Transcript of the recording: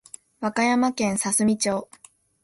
和歌山県すさみ町